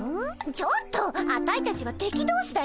ちょっとアタイたちは敵どうしだよ。